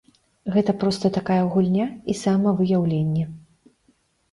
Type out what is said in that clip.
Гэта проста такая гульня і самавыяўленне.